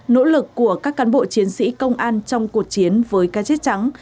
nỗ lực của các cán bộ chiến sĩ công an trong cuộc chiến với ca chết trắng